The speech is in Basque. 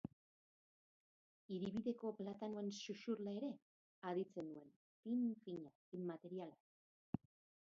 Hiribideko platanoen xuxurla ere aditzen nuen, fin-fina, inmateriala.